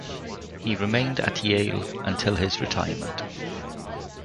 He remained at Yale until his retirement.